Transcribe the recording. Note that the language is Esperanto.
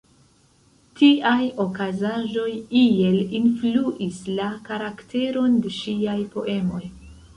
Tiaj okazaĵoj iel influis la karakteron de ŝiaj poemoj.